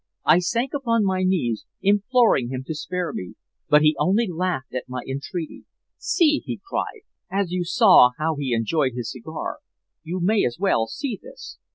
I sank upon my knees imploring him to spare me, but he only laughed at my entreaty. 'See!' he cried, 'as you saw how he enjoyed his cigar, you may as well see this!'